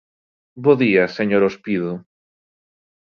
Bo día, señor Ospido.